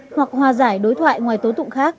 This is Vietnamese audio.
hoặc hòa giải đối thoại ngoài tố tụng khác